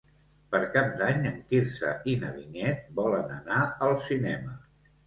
Per Cap d'Any en Quirze i na Vinyet volen anar al cinema.